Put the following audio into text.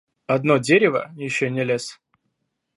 Одно дерево еще не лес.